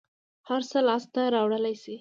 هر څه لاس ته راوړلى شې.